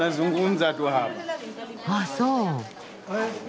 あっそう。